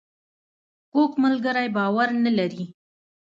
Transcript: کوږ ملګری باور نه لري